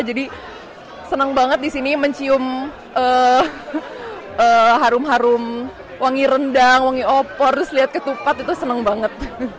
jadi senang banget disini mencium harum harum wangi rendang wangi opor terus liat ketupat itu senang banget